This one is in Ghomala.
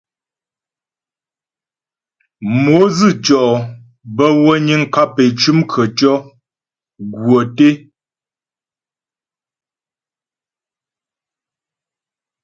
Mo dzʉtʉɔ bə́ wə niŋ kap é cʉm khətʉɔ̌ gwə́ té.